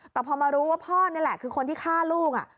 แต่พอมารู้ว่าพ่อนี่แหละคือคนที่ฆ่าลูก